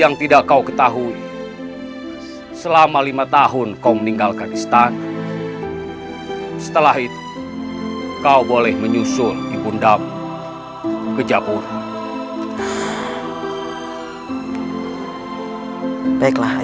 game plus competition hadir kembali daftar sekarang juga hanya di vision plus